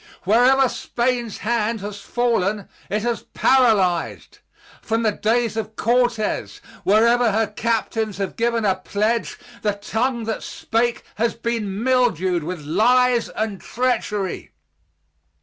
Wherever Spain's hand has fallen it has paralyzed. From the days of Cortez, wherever her captains have given a pledge, the tongue that spake has been mildewed with lies and treachery.